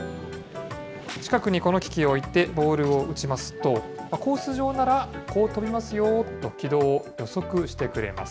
近くにこの機器を置いてボールを打ちますと、コース上ならこう飛びますよと軌道を予測してくれます。